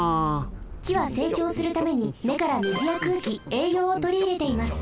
きはせいちょうするためにねからみずやくうきえいようをとりいれています。